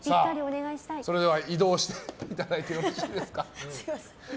それでは移動していただいてよろしいですか？